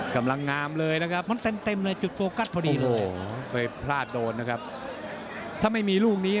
ขวาตรงกรงเต็กสิแบบนี้